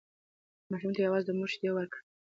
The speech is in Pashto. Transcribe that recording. ماشوم ته یوازې د مور شیدې ورکړئ.